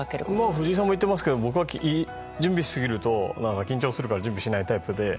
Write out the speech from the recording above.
藤井さんも言っていますけど僕は準備しすぎると緊張するから準備しないタイプで。